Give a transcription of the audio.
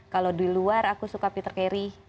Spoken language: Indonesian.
kalau di luar aku suka peter carry